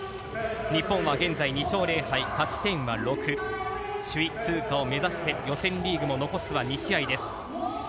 日本は現在２勝０敗、勝ち点６、首位通過を目指して予選リーグも残すは２試合です。